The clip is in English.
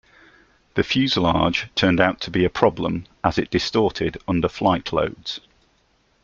The fuselage turned out to be a problem, as it distorted under flight loads.